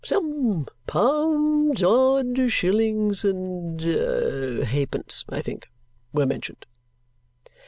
Some pounds, odd shillings, and halfpence, I think, were mentioned."